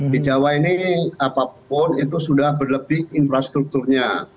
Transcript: di jawa ini apapun itu sudah berlebih infrastrukturnya